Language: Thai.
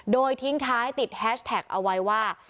โดยทิ้งท้ายติดแฮชแท็กเอาไว้ว่า